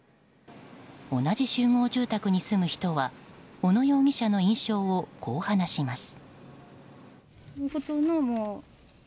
同じ集合住宅に住む人は小野容疑者の印象をこう話します。